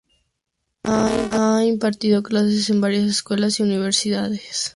Ha impartido clases en varias escuelas y universidades.